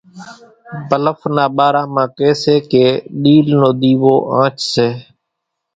ڀلڦ نا ٻارا مان ڪي سي ڪي ڏِيل نو ۮيوو آنڇ سي۔